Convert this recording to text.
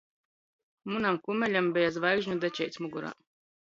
Munam kumeļam beja zvaigžņu dečeits mugurā.